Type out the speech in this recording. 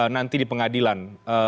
nanti di pengadilan